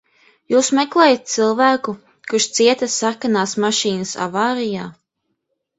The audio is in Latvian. Jūs meklējat cilvēku, kurš cieta sarkanās mašīnas avārijā?